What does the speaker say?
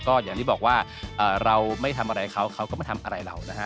ก็อย่างที่บอกว่าเราไม่ทำอะไรเขาเขาก็ไม่ทำอะไรเรานะฮะ